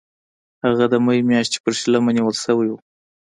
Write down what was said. هغه د می میاشتې په شلمه نیول شوی و.